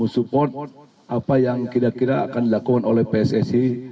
support apa yang kira kira akan dilakukan oleh pssi